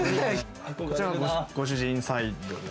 こちらがご主人サイド。